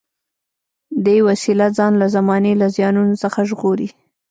دې وسیله ځان له زمانې له زیانونو څخه ژغوري.